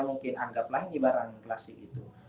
mungkin anggaplah ini barang klasik itu